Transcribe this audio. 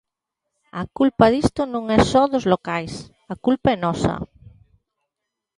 A culpa disto non é só dos locais, a culpa é nosa.